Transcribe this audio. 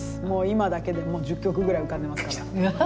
今だけで１０曲ぐらい浮かんでますから。